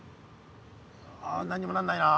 あ何にもなんないな。